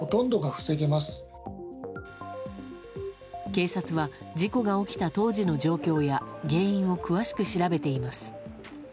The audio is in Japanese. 警察は事故が起きた当時の状況や原因を詳しく調べています。